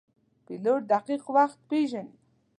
پیلوټ دقیق وخت پیژني.